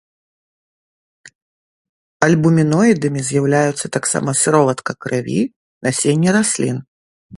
Альбуміноідамі з'яўляюцца таксама сыроватка крыві, насенне раслін.